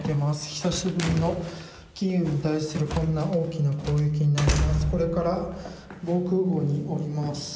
久しぶりのキーウに対するこんな大きな攻撃になります。